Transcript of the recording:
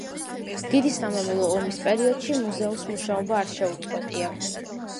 დიდი სამამულო ომის პერიოდში მუზეუმს მუშაობა არ შეუწყვეტია.